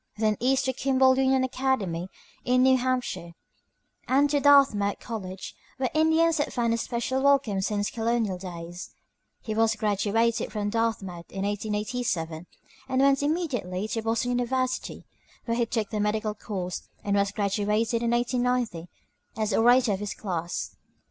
then east to Kimball Union Academy in New Hampshire, and to Dartmouth College, where Indians had found a special welcome since colonial days. He was graduated from Dartmouth in 1887, and went immediately to Boston University, where he took the medical course, and was graduated in 1890 as orator of his class.